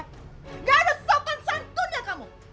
tidak ada sopan santun ya kamu